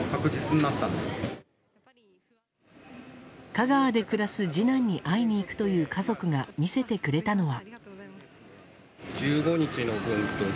香川で暮らす次男に会いに行くという家族が見せてくれたのは。